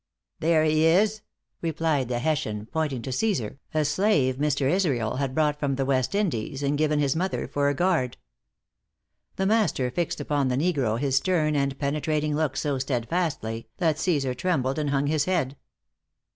"There he is!" replied the Hessian, pointing to Cæsar, a slave Mr. Israel had brought from the West Indies, and given his mother for a guard. The master fixed upon the negro his stern and penetrating look so steadfastly, that Cæsar trembled and hung his head.